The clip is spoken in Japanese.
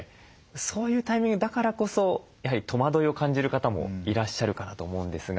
そういうタイミングだからこそやはり戸惑いを感じる方もいらっしゃるかなと思うんですが。